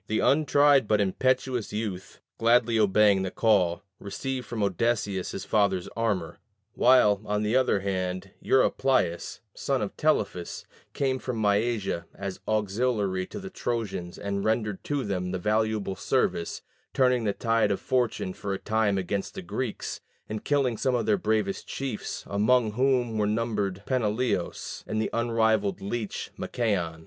The untried but impetuous youth, gladly obeying the call, received from Odysseus his father's armor; while, on the other hand, Eurypylus, son of Telephus, came from Mysia as auxiliary to the Trojans and rendered to them valuable service turning the tide of fortune for a time against the Greeks, and killing some of their bravest chiefs, among whom were numbered Peneleos, and the unrivalled leech Machaon.